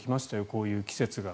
こういう季節が。